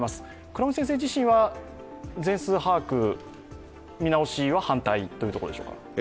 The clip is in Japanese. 倉持先生自身は全数把握、見直しは反対ということでしょうか。